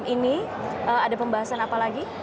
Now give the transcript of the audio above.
mbak puan berarti malam ini ada pembahasan apa lagi